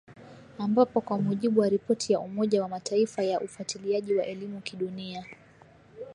ambapo kwa mujibu wa ripoti ya Umoja wa Mataifa ya ufuatiliaji wa elimu kidunia